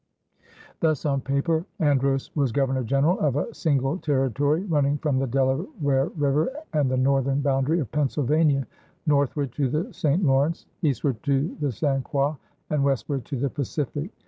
Thus on paper Andros was Governor General of a single territory running from the Delaware River and the northern boundary of Pennsylvania northward to the St. Lawrence, eastward to the St. Croix, and westward to the Pacific.